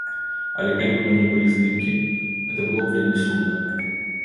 Але калі б у мяне былі здымкі, гэта было б вельмі сумна.